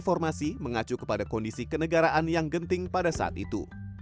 informasi mengacu kepada kondisi kenegaraan yang genting pada saat itu